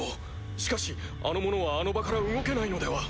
しかしあの者はあの場から動けないのでは。